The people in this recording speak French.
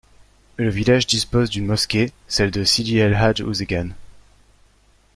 Le village dispose d'une mosquée, celle de Sidi El Hadj Ouzzeggane.